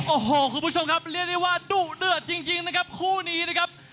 โอ้โหคุณผู้ชมครับเรียกได้ว่าดุเดือดจริงนะครับคู่นี้นะครับ